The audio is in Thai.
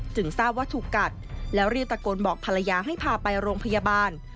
ทราบว่าถูกกัดแล้วรีบตะโกนบอกภรรยาให้พาไปโรงพยาบาล